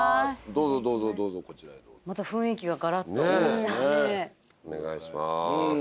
どうぞどうぞどうぞこちらへまた雰囲気がガラッとお願いします